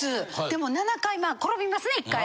でも７回転びますね１回。